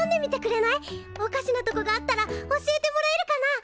おかしなとこがあったら教えてもらえるかな？